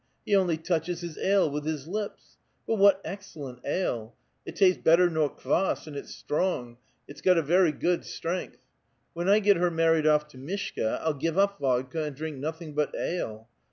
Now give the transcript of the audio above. He only touches his ale with his lips ! But what excellent ale ! It tastes better nor kvas^ and it's strong ; its got a very good strength. When I get her married off to Mishka, I'll give up vodka and drink nothing but ale.